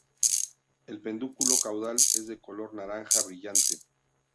El pedúnculo caudal es de color naranja brillante.